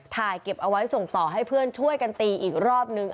ถ่ายเก็บเอาไว้ส่งต่อให้เพื่อนช่วยกันตีอีกรอบนึง